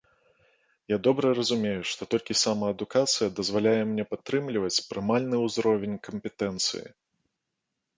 Я добра разумею, што толькі самаадукацыя дазваляе мне падтрымліваць прымальны ўзровень кампетэнцыі.